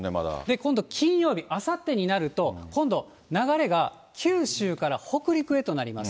今度、金曜日、あさってになると、今度、流れが九州から北陸へとなります。